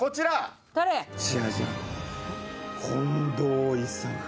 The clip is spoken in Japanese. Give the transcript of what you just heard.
近藤勇。